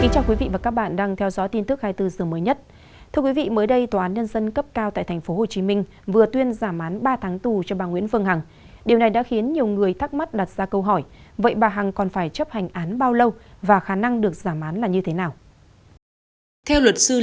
chào mừng quý vị đến với bộ phim hãy nhớ like share và đăng ký kênh của chúng mình nhé